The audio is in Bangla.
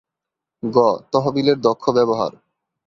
গ. তহবিলের দক্ষ ব্যবহার